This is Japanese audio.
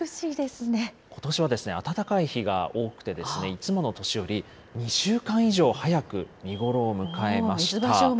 ことしは暖かい日が多くて、いつもの年より２週間以上早く見頃を迎えました。